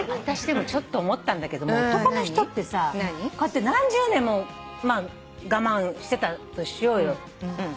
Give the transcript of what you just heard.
私でもちょっと思ったんだけど男の人ってさこうやって何十年もまあ我慢してたとしようよ。